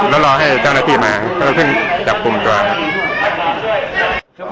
พอรอให้เจ้าหน้าที่มาแล้วเพิ่งจับปุ่มตัวครับ